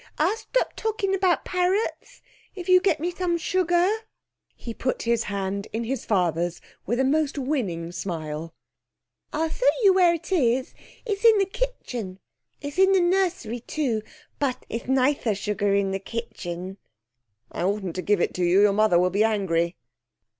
I'll stop talking about parrots if you get me some sugar.' He put his hand in his father's with a most winning smile. 'I'll show you where it is. It's in the kitchen. It's in the nursery, too, but it's nicer sugar in the kitchen.' 'I oughtn't to give it you. Your mother will be angry.'